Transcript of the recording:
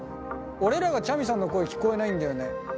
俺らがちゃみさんの声聞こえないんだよね。